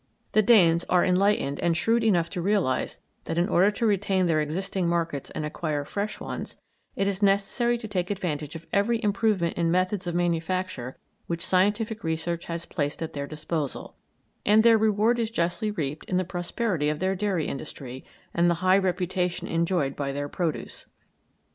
The Danes are enlightened and shrewd enough to realise that in order to retain their existing markets and acquire fresh ones, it is necessary to take advantage of every improvement in methods of manufacture which scientific research has placed at their disposal, and their reward is justly reaped in the prosperity of their dairy industry and the high reputation enjoyed by their produce.